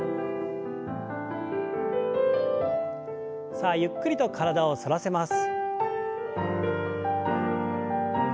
さあゆっくりと体を反らせます。